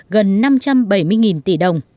gần năm trăm bảy mươi tỷ đồng